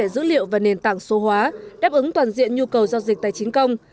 dữ liệu và nền tảng số hóa đáp ứng toàn diện nhu cầu giao dịch tài chính công